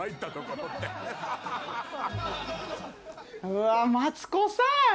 うわっマツコさん！